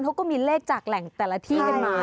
เขาก็มีเลขจากแหล่งแต่ละที่กันมา